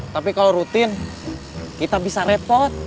tapi kalau rutin kita bisa repot